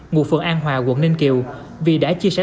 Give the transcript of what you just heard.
ngụ phường an hòa quận ninh kiều vì đã chia sẻ